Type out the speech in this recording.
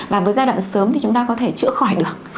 và với giai đoạn sớm thì chúng ta có thể chữa khỏi được